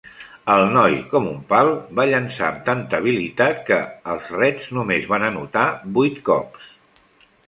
El noi, com un pal, va llançar amb tanta habilitat que ... els Reds només van anotar vuit cops.